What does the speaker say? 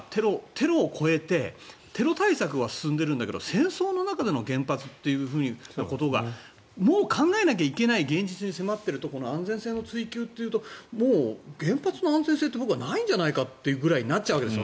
テロを超えてテロ対策は進んでるんだけど戦争の中での原発ということももう考えなきゃいけない現実に迫っているところの安全性の追求というともう原発の安全性って、僕はないんじゃないかということになっちゃうわけです。